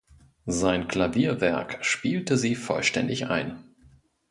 Sein Klavierwerk spielte sie vollständig ein.